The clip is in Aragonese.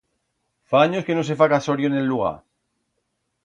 Fa anyos que no se fa casorio en el lugar.